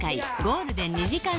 ゴールデン２時間